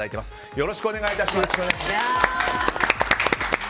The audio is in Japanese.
よろしくお願いします。